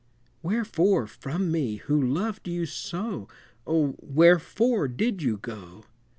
Wherefore from me who loved you so, O! wherefore did ye go?